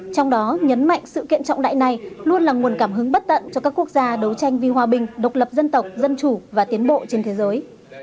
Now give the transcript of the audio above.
trong đó nhấn mạnh sự kiện trọng đại này luôn là nguồn cảm hứng bất tận cho các quốc gia đấu tranh vì hòa bình độc lập dân tộc dân chủ và tiến bộ trên thế giới